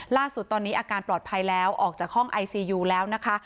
ล่าสุดตอนนี้อาการปลอดภัยแล้วออกจากห้องไอซียูแล้วนะคะ